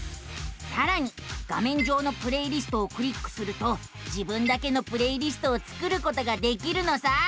さらに画めん上の「プレイリスト」をクリックすると自分だけのプレイリストを作ることができるのさあ。